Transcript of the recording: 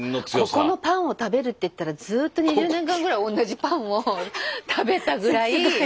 もうここのパンを食べるって言ったらずっと２０年間ぐらい同じパンを食べたぐらい。